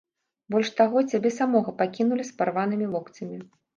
Больш таго, цябе самога пакінулі з парванымі локцямі.